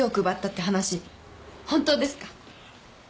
奪ったって話本当ですか？